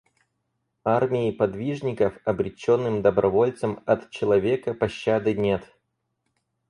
Армии подвижников, обреченным добровольцам от человека пощады нет!